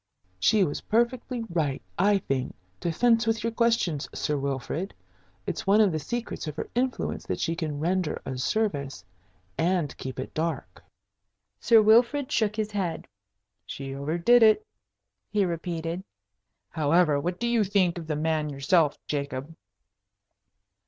"She was perfectly right, I think, to fence with your questions, Sir Wilfrid. It's one of the secrets of her influence that she can render a service and keep it dark." Sir Wilfrid shook his head. "She overdid it," he repeated. "However, what do you think of the man yourself, Jacob?"